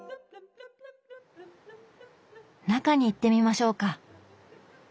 中に行ってみましょうか。